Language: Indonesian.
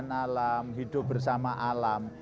hidup bersama alam hidup bersama alam